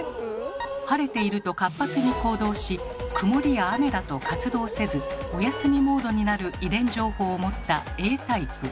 晴れていると活発に行動しくもりや雨だと活動せずお休みモードになる遺伝情報を持った「Ａタイプ」。